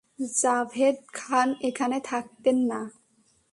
জাভেদ খান এখানে থাকতেন না।